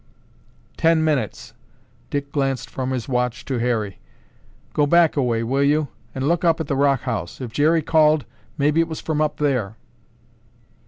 "Ten minutes." Dick glanced from his watch to Harry. "Go back a way, will you, and look up at the rock house. If Jerry called, maybe it was from up there."